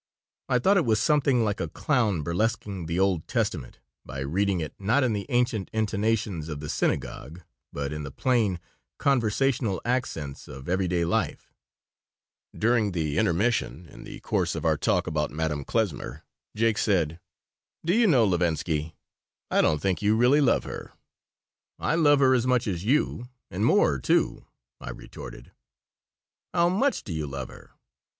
I thought it was something like a clown burlesquing the Old Testament by reading it, not in the ancient intonations of the synagogue, but in the plain, conversational accents of every day life During the intermission, in the course of our talk about Madame Klesmer, Jake said: "Do you know, Levinsky, I don't think you really love her." "I love her as much as you, and more, too," I retorted "How much do you love her?